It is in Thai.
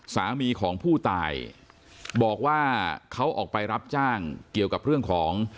สามีของผู้ตายบอกว่าเขาออกไปรับจ้างเกี่ยวกับเรื่องของ